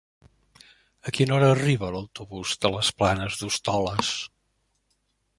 A quina hora arriba l'autobús de les Planes d'Hostoles?